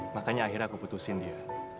makanya akhirnya aku putusin dia